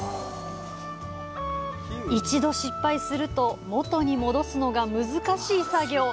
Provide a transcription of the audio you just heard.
一度失敗すると、元に戻すのが難しい作業。